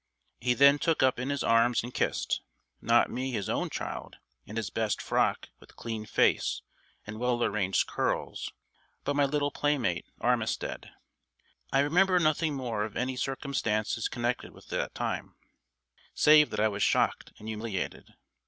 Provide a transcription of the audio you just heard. He then took up in his arms and kissed not me his own child, in his best frock with clean face and well arranged curls but my little playmate, Armistead. I remember nothing more of any circumstances connected with that time, save that I was shocked and humiliated.